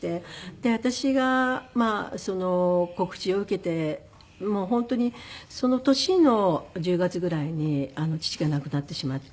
で私がまあ告知を受けてもう本当にその年の１０月ぐらいに父が亡くなってしまって。